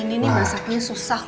ini nih masaknya susah